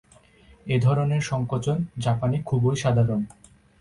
এ-ধরনের সংকোচন জাপানে খুবই সাধারণ।